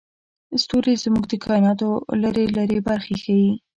ستوري زموږ د کایناتو لرې لرې برخې ښيي.